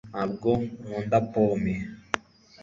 ntabwo nkunda pome